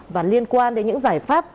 và liên quan đến những giải pháp